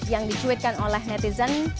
yang dicuitkan oleh netizen